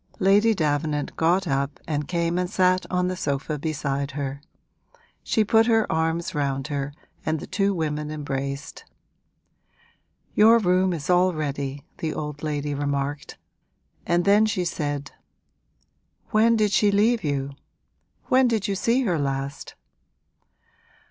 Lady Davenant got up and came and sat on the sofa beside her: she put her arms round her and the two women embraced. 'Your room is all ready,' the old lady remarked. And then she said, 'When did she leave you? When did you see her last?'